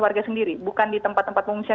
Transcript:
warga sendiri bukan di tempat tempat pengungsian